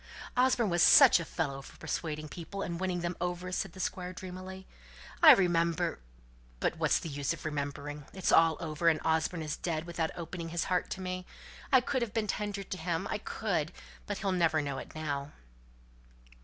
"Osborne was such a fellow for persuading people, and winning them over," said the Squire, dreamily. "I remember but what's the use of remembering? It's all over, and Osborne's dead without opening his heart to me. I could have been tender to him, I could. But he'll never know it now!"